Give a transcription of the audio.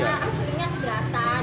iya aslinya berat